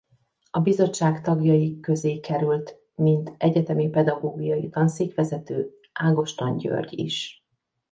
A Bizottság tagjai közé került mint egyetemi pedagógiai tanszékvezető Ágoston György is.